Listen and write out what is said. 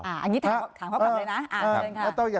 อันนี้ถามเขากลับเลยนะอ่านกันเลยค่ะ